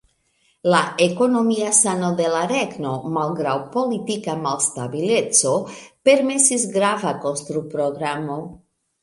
La ekonomia sano de la regno, malgraŭ politika malstabileco, permesis grava konstru-programo.